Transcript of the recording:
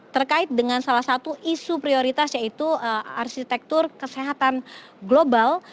terkait dengan salah satu isu prioritas yaitu arsitektur kesehatan global